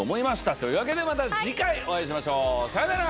というわけでまた次回お会いしましょう！さようなら！